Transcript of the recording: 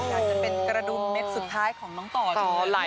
อยากจะเป็นกระดุมเม็ดสุดท้ายของน้องต่อทีไหล